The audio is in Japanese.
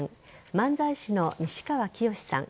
漫才師の西川きよしさん